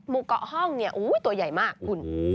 หมู่เกาะห้องเนี่ยตัวใหญ่มากคุณ